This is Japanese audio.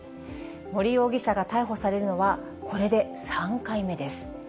森容疑者が逮捕されるのはこれで３回目です。